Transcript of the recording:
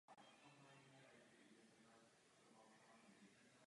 Finanční odměny jsou uváděny v amerických dolarech.